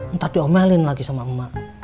entah diomelin lagi sama emak